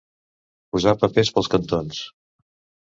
Posar papers pels cantons.